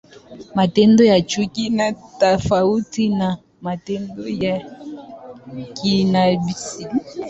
Matendo ya chuki ni tofauti na matendo ya kibinafsi.